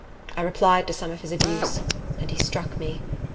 I replied to some of his abuse, and he struck me.